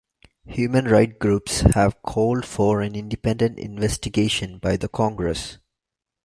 Human right groups have called for an independent investigation by the congress.